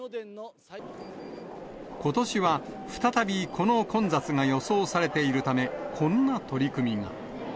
ことしは、再びこの混雑が予想されているため、こんな取り組みが。